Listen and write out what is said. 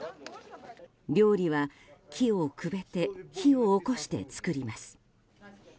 料理は木をくべて火を起こして作ります。